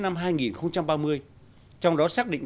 năm hai nghìn ba mươi trong đó xác định